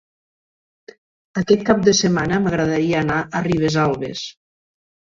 Aquest cap de setmana m'agradaria anar a Ribesalbes.